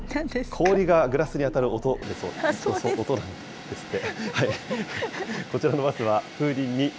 氷がグラスに当たる音なんですって。